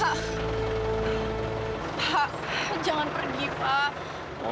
pak jangan pergi pak